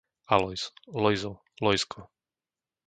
Alojz, Lojzo, Lojzko